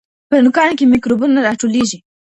په نوکانو کې میکروبونه راټولیږي.